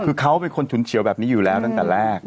คือเขาเป็นคนฉุนเฉียวแบบนี้อยู่แล้วตั้งแต่แรก